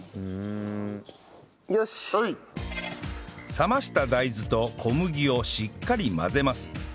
冷ました大豆と小麦をしっかり混ぜます